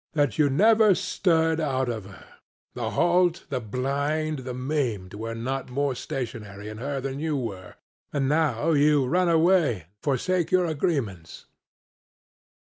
that you never stirred out of her; the halt, the blind, the maimed, were not more stationary in her than you were. And now you run away and forsake your agreements.